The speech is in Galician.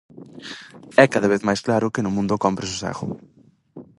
É cada vez mais claro que no mundo cómpre sosego.